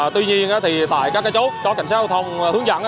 tuy nhiên tại các chỗ có cảnh sát giao thông hướng dẫn